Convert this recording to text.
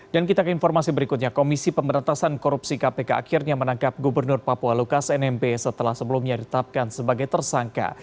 dan kita ke informasi berikutnya komisi pemberantasan korupsi kpk akhirnya menangkap gubernur papua lukas nmb setelah sebelumnya ditapkan sebagai tersangka